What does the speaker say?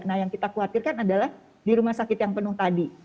nah yang kita khawatirkan adalah di rumah sakit yang penuh tadi